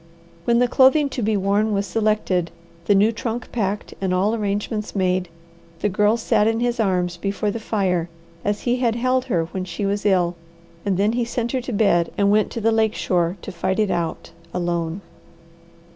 When the clothing to be worn was selected, the new trunk packed, and all arrangements made, the Girl sat in his arms before the fire as he had held her when she was ill, and then he sent her to bed and went to the lake shore to fight it out alone.